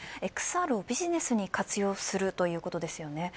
ＸＲをビジネスに活用するということですよね。